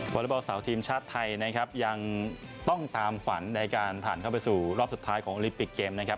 อเล็กบอลสาวทีมชาติไทยนะครับยังต้องตามฝันในการผ่านเข้าไปสู่รอบสุดท้ายของโอลิปิกเกมนะครับ